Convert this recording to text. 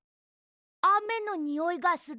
あめのにおいがする。